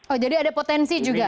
oh jadi ada potensi juga